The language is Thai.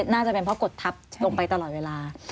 น่าจะเป็นเพราะกดทับลงไปตลอดเวลา